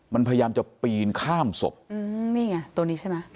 มันพยายามจะปีนข้ามศพอืมนี่ไงตัวนี้ใช่ไหม